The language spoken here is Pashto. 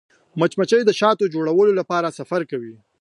مچمچۍ د شاتو د جوړولو لپاره سفر کوي